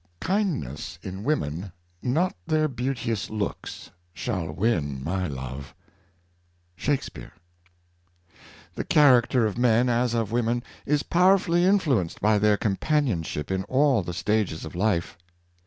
" Kindness in women, not their beauteous looks, Shall win my love."— Shakspeare. HE character of men, as of women, is power fully influenced by their companionship in all the stages of life.